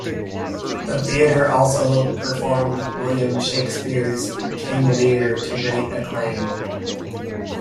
The theater also performed William Shakespeare's "King Lear" to great acclaim.